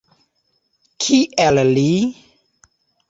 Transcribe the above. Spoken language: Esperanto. Kiel li?